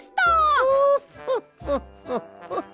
フォッフォッフォッフォッフォッ。